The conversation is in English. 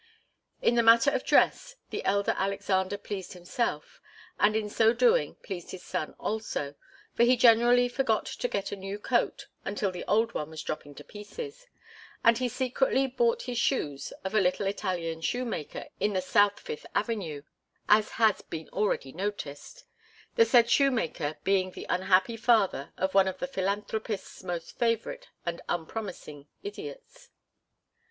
In the matter of dress the elder Alexander pleased himself, and in so doing pleased his son also, for he generally forgot to get a new coat until the old one was dropping to pieces, and he secretly bought his shoes of a little Italian shoemaker in the South Fifth Avenue, as has been already noticed; the said shoemaker being the unhappy father of one of the philanthropist's most favourite and unpromising idiots.